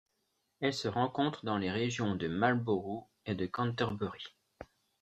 Elle se rencontre dans les régions de Marlborough et de Canterbury.